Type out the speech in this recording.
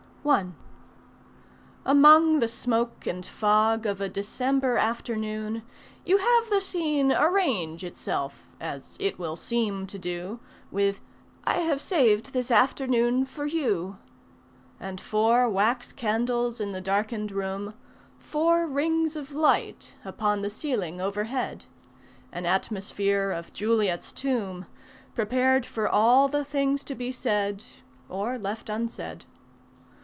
I Among the smoke and fog of a December afternoon You have the scene arrange itself as it will seem to do With "I have saved this afternoon for you"; And four wax candles in the darkened room, Four rings of light upon the ceiling overhead, An atmosphere of Juliet's tomb Prepared for all the things to be said, or left unsaid.